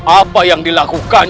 apa yang dilakukan